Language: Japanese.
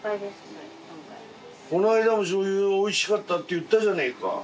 この間はしょうゆおいしかったって言ったじゃねえか。